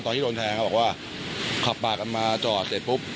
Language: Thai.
ตอนที่โดนแทงเขาบอกว่าขับปากกันมาจอดเสร็จปุ๊บ